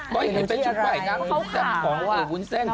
ก็เห็นเป็นชุดใบนางสั่นของคุณวุ้นเซ่น